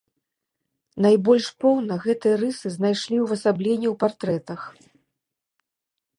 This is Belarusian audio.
Найбольш поўна гэтыя рысы знайшлі ўвасабленне ў партрэтах.